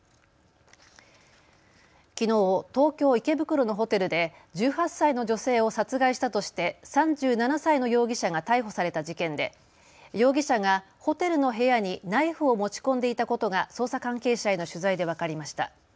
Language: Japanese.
きのう東京池袋のホテルで１８歳の女性を殺害したとして３７歳の容疑者が逮捕された事件で容疑者がホテルの部屋にナイフを持ち込んでいたことが捜査関係者への取材で分かりました。